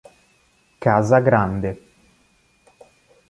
Casa Grande